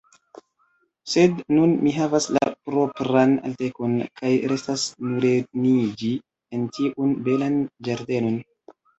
Sed nun mi havas la propran altecon, kaj restas nureniĝi en tiun belan ĝardenon.